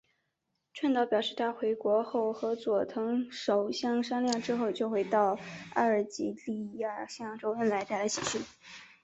川岛表示他回国后和佐藤首相商量之后就会到阿尔及利亚向周恩来带来喜讯。